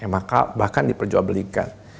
maka bahkan diperjualbelikan